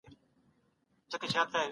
چي جومات یې په خپل ژوند نه و لیدلی